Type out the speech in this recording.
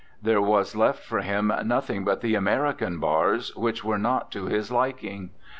There was left for him nothing but the Ameri can bars, which were not to his liking.